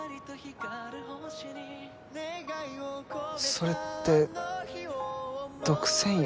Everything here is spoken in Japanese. それって独占欲？